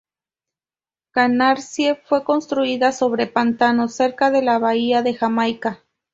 Canarsie fue construida sobre pantanos cerca de la bahía de Jamaica.